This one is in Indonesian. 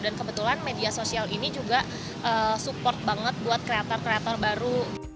dan kebetulan media sosial ini juga support banget buat kreator kreator baru